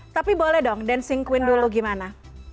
tapi boleh dong dancing queen dulu gimana